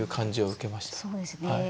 そうですね。